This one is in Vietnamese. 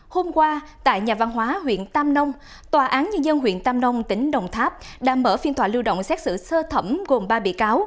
hôm qua tại nhà văn hóa huyện tam nông tòa án nhân dân huyện tam nông tỉnh đồng tháp đã mở phiên tòa lưu động xét xử sơ thẩm gồm ba bị cáo